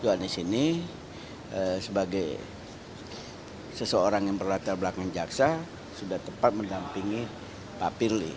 juhani sini sebagai seseorang yang berlatar belakang jaksa sudah tepat menampingi pak pirli